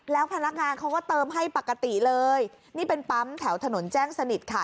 แล้วพนักงานเขาก็เติมให้ปกติเลยนี่เป็นปั๊มแถวถนนแจ้งสนิทค่ะ